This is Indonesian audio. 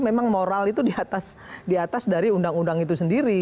memang moral itu di atas dari undang undang itu sendiri